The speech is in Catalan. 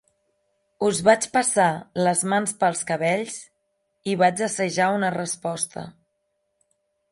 Us vaig passar les mans pels cabells i vaig assajar una resposta.